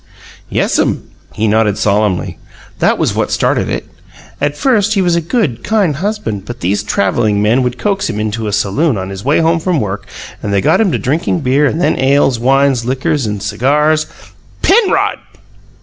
"Yes'm." He nodded solemnly. "That was what started it. At first he was a good, kind husband, but these travelling men would coax him into a saloon on his way home from work, and they got him to drinking beer and then ales, wines, liquors, and cigars " "Penrod!"